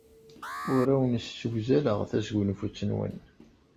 Ur awen-ssewzaleɣ tasgunfut-nwen.